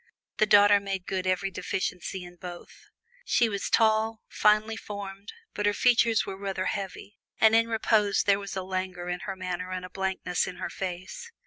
The daughter made good every deficiency in both. She was tall, finely formed, but her features were rather heavy, and in repose there was a languor in her manner and a blankness in her face.